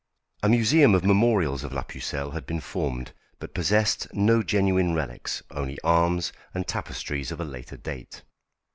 A museum of memorials of la Pucelle had been formed, but possessed no genuine relics, only arms and tapestries of a later date.